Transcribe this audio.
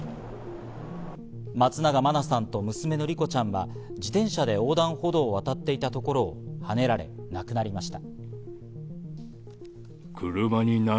松永真菜さんと娘の莉子ちゃんが自転車で横断歩道を渡っていたところをはねられ、亡くなりました。